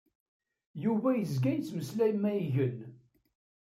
Yuba yezga yettmeslay ma igen.